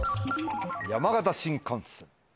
「山形新幹線」。